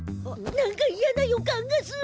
何かいやな予感がする。